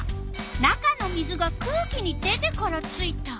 「中の水が空気に出てからついた」。